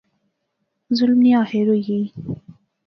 ظلم نی آخیر ہوئی گئی